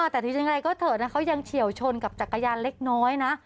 แต่ทีนี้ยังไงก็เถอะนะเขายังเฉียวชนกับจักรยานเล็กน้อยนะ